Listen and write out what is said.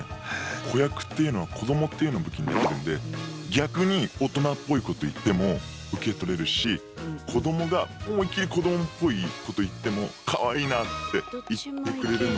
子役っていうのは子どもっていうのを武器にできるんで逆に大人っぽいこと言ってもウケ取れるし子どもが思い切り子どもっぽいこと言ってもかわいいなって言ってくれるので。